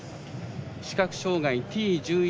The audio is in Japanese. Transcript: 視覚障がいＴ１１